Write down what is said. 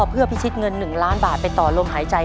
เพื่อพิชิตเงิน๑ล้านบาทไปต่อลมหายใจ